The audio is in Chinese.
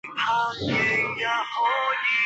迅雷可在两种配置状态以下操作。